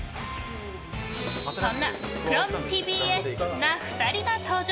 そんなＦｒｏｍＴＢＳな２人が登場。